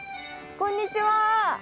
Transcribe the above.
こんにちは。